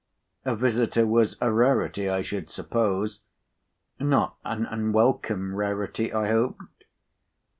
A visitor was a rarity, I should suppose; not an unwelcome rarity, I hoped?